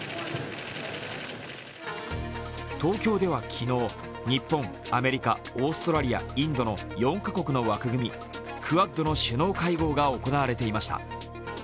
東京では昨日、日本、アメリカ、オーストラリア、インドの４カ国の枠組み、クアッドの首脳会合が行われていました。